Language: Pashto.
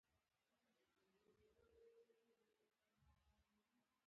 • کنفوسیوس پهخپله تر بدو ردو لاندې قرار درلود.